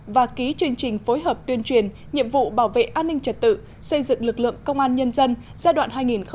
và ký chương trình phối hợp tuyên truyền nhiệm vụ bảo vệ an ninh trật tự xây dựng lực lượng công an nhân dân giai đoạn hai nghìn một mươi tám hai nghìn ba mươi